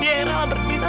dia yang rela berpisah